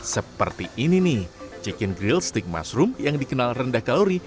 seperti ini nih chicken grill stick mushroom yang dikenal rendah kalori